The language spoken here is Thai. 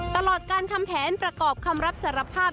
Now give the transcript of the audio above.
ตลอดการทำแผนประกอบคำรับสารภาพ